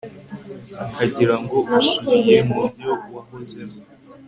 akagira ngo usubiye mu byo wahozemo